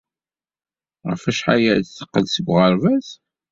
Ɣef wacḥal ara d-teqqel seg uɣerbaz?